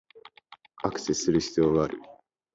アクセスする必要がある